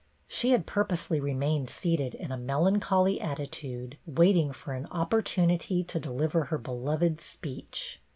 She had purposely remained seated in a melancholy attitude, waiting for an opportunity to deliver her beloved speech.